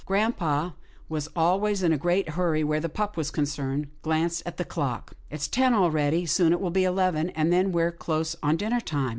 Grampa, who was always in a great hurry where the pup was concerned, glanced at the clock. " It's ten already, soon it will be eleven, and then we're close on dinner time.